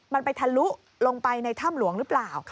มันไปทะลุลงไปในถ้ำหลวงหรือเปล่า